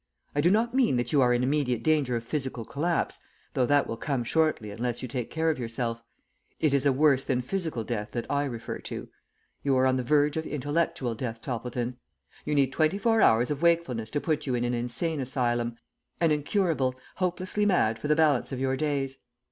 "I do not mean that you are in immediate danger of physical collapse, though that will come shortly unless you take care of yourself. It is a worse than physical death that I refer to. You are on the verge of intellectual death, Toppleton. You need twenty four hours of wakefulness to put you in an insane asylum, an incurable, hopelessly mad for the balance of your days.